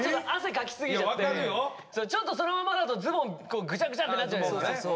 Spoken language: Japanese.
ちょっとそのままだとズボンぐちゃぐちゃってなっちゃうじゃないですか。